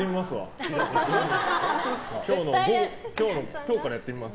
今日からやってみます。